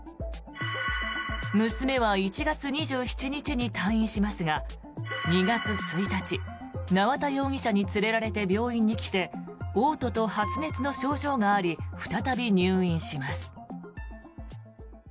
娘は１月２７日に退院しますが２月１日縄田容疑者に連れられて病院に来ておう吐と発熱の症状があり再び入院します。